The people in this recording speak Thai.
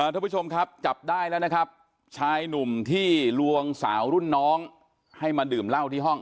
ทุกผู้ชมครับจับได้แล้วนะครับชายหนุ่มที่ลวงสาวรุ่นน้องให้มาดื่มเหล้าที่ห้อง